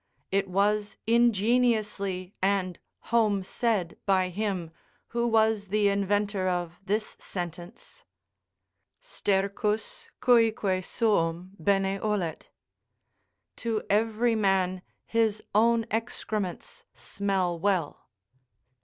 It was ingeniously and home said by him, who was the inventor of this sentence: "Stercus cuique suum bene olet." ["To every man his own excrements smell well."